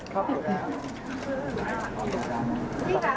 ขอบคุณพี่ด้วยนะครับ